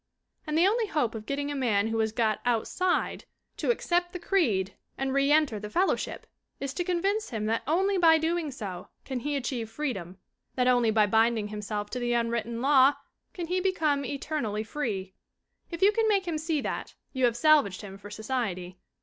And the only hope of getting a man who has got "outside" to accept the creed and reenter the fellow ship is to convince him that only by so doing can he achieve freedom, that only by binding himself to the unwritten law can he become "eternally free." If you can make him see that, you have salvaged him for society.